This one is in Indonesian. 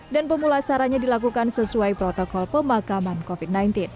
dan pemulasarannya dilakukan sesuai protokol pemakaman covid sembilan belas